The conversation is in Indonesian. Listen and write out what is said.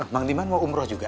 bang diman mau umroh juga